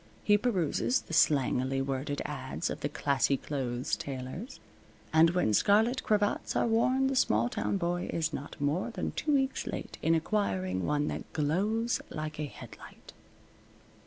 He peruses the slangily worded ads of the "classy clothes" tailors, and when scarlet cravats are worn the small town boy is not more than two weeks late in acquiring one that glows like a headlight.